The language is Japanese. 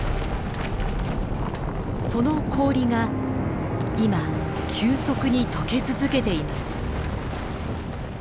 その氷が今急速にとけ続けています。